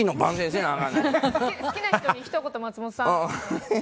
好きな人にひと言、松本さん。